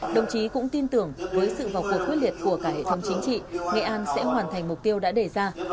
đồng chí cũng tin tưởng với sự vào cuộc quyết liệt của cả hệ thống chính trị nghệ an sẽ hoàn thành mục tiêu đã đề ra